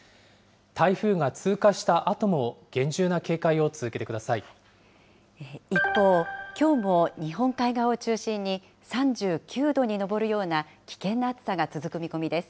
台風が通過したあとも、一方、きょうも日本海側を中心に、３９度に上るような危険な暑さが続く見込みです。